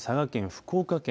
福岡県